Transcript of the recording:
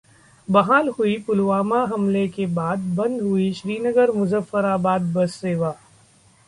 बहाल हुई पुलवामा हमले के बाद बंद हुई श्रीनगर-मुजफ्फराबाद बस सेवा